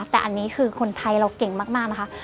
แต่อันนี้คือคนไทยเราเก่งมากนะคะ